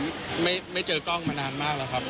ไม่เจอกล้องมานานมากแล้วครับ